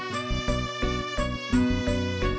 hal luar biasa